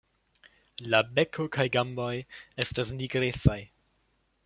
La beko kaj gamboj estas nigrecaj.